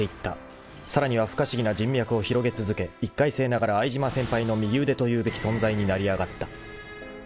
［さらには不可思議な人脈を広げ続け１回生ながら相島先輩の右腕というべき存在に成り上がった］